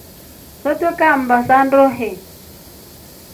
Swee twekaa mmba za ndoe.